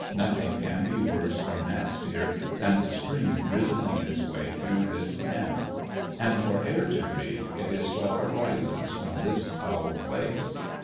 Nothing can be worse or nastier than the stream drizzling its way through this camp. And for air to breathe, it is what arises from this foul place.